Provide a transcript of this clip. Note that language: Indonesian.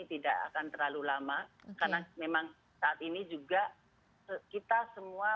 tidak akan terlalu lama karena memang saat ini juga kita semua